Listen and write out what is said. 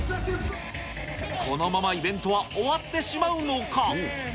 このままイベントは終わってしまうのか。